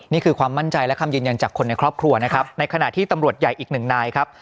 นี่คือความมั่นใจและคำยืนยันจากคนในครอบครัวนะครับในขณะที่ตำรวจใหญ่อีกหนึ่งนายครับ